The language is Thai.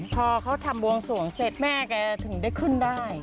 พอเขาทำบวงสวงเสร็จแม่แกถึงได้ขึ้นได้